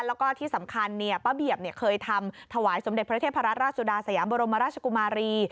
แล้วก็ที่สำคัญป้าเบียบเคยทำถวายสมเด็จพระเทพรัตราชสุดาสยามบรมราชกุมารี